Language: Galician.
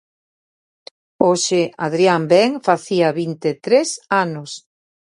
Hoxe, Adrián Ben facía vinte e tres anos.